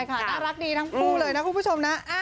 น่ารักดีทั้งคู่เลยนะคุณผู้ชมนะ